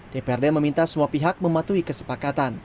dprd meminta semua pihak mematuhi kesepakatan